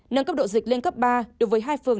nâng cấp độ dịch lên cấp ba đối với hai phường